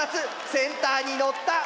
センターにのった！